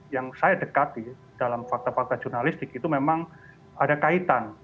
yang saya dekati dalam fakta fakta jurnalistik itu memang ada kaitan